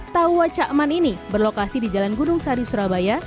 tawa cakman ini berlokasi di jalan gunung sari surabaya